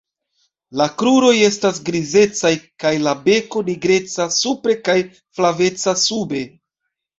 La kruroj estas grizecaj kaj la beko nigreca supre kaj flaveca sube.